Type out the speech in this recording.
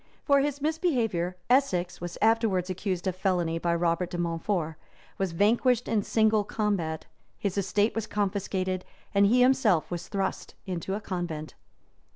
For this misbehavior, Essex was afterwards accused of felony by Robert de Montfort; was vanquished in single combat; his estate was confiscated; and he himself was thrust into a convent.